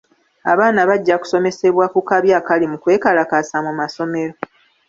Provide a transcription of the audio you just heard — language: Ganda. Abaana bajja kusomesebwa ku kabi akali mu kwekalakaasa mu masomero.